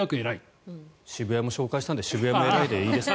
渋谷も紹介したので渋谷も偉いでいいですか？